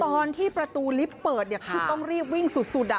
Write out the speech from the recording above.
ตอนที่ประตูลิฟต์เปิดคือต้องรีบวิ่งสุด